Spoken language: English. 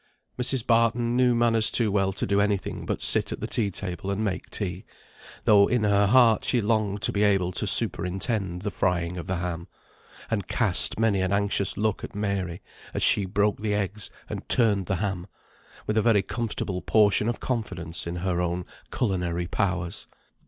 Mrs. Barton knew manners too well to do any thing but sit at the tea table and make tea, though in her heart she longed to be able to superintend the frying of the ham, and cast many an anxious look at Mary as she broke the eggs and turned the ham, with a very comfortable portion of confidence in her own culinary powers.